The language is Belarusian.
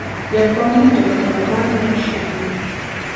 Як па мне, то гэта нармальнае рашэнне.